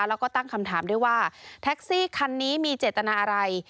แล้วก็ตั้งคำถามด้วยว่าแท็กซี่คันนี้มีเจตนาอะไร